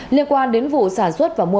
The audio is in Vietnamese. liên quan đến vụ sản xuất và mua